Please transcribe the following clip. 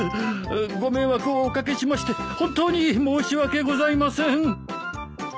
ご迷惑をお掛けしまして本当に申し訳ございません。